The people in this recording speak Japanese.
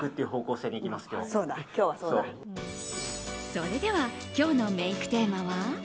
それでは今日のメイクテーマは。